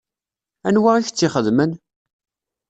Anwa i k-tt-ixedmen?